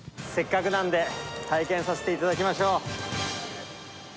せっかくなんで、体験させていただきましょう。